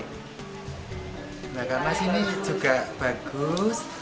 tembak tempah sini juga bagus